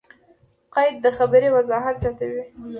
قید؛ د خبري وضاحت زیاتوي.